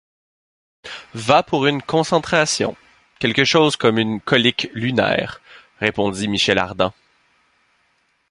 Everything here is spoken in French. Va pour une concentration, quelque chose comme une colique lunaire, répondit Michel Ardan.